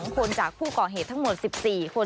๒คนจากผู้ก่อเหตุทั้งหมด๑๔คน